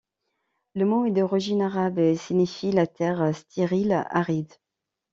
Le mot est d'origine arabe et signifie la terre stérile aride.